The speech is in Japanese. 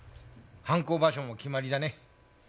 犯行場所も決まりだね。